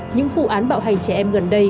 những vụ án bạo hành trẻ em gần đây